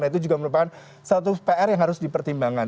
nah itu juga merupakan satu pr yang harus dipertimbangkan